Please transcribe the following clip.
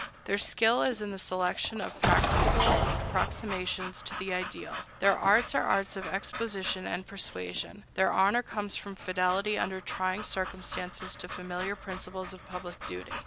Their skill is in the selection of practicable approximations to the ideal; their arts are arts of exposition and persuasion; their honor comes from fidelity under trying circumstances to familiar principles of public duty.